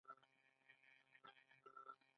کشرانو باندې شفقت وکړئ